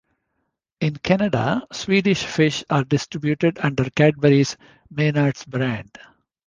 In Canada, Swedish Fish are distributed under Cadbury's Maynards brand.